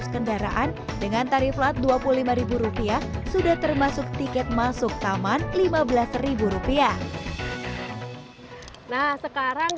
kendaraan dengan tarif latruh puluh ribu rupiah sudah termasuk tiket masuk taman rp lima belas nah sekarang